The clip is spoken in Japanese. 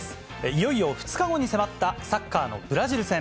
いよいよ２日後に迫ったサッカーのブラジル戦。